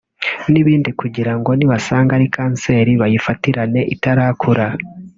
n’ibindi kugirango nibasanga ari kanseri bayifatirane itarakura